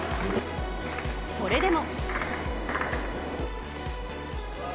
それでも。